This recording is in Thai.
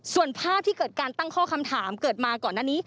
ส่วนภาพที่เกิดการตั้งข้อคำถามเกิดมาก่อนหน้านี้